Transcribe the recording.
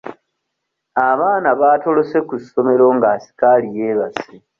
Abaana baatolose ku ssomero nga asikaali yeebase.